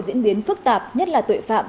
diễn biến phức tạp nhất là tội phạm